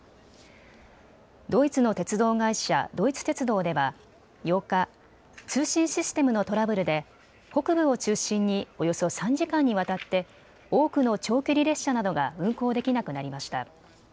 ドイツの鉄道会社、ドイツ鉄道では８日、通信システムのトラブルで北部を中心におよそ３時間にわたって多くの長距離列車などが運行できなくなりました。